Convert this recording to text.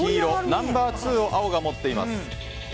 ナンバー２を青が持っています。